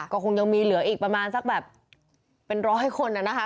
ก็คงยังมีเหลืออีกประมาณสักแบบเป็นร้อยคนน่ะนะคะ